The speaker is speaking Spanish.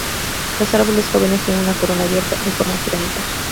Los árboles jóvenes tienen una corona abierta, de forma piramidal.